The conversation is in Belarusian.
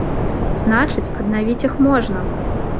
Значыць, аднавіць іх можна!